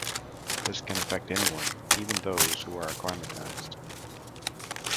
This can affect anyone, even those who are acclimatized.